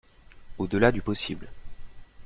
Au-delà du possible